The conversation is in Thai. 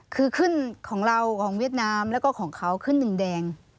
คือขึ้นของเราของเวียดนามแล้วก็ของเขาขึ้นดินแดง